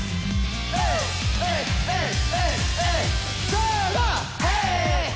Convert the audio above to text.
せの！